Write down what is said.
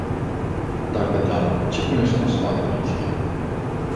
Dacă da, ce primesc consumatorii în schimb?